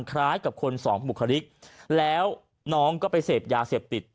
คล้ายกับคนสองบุคลิกแล้วน้องก็ไปเสพยาเสพติด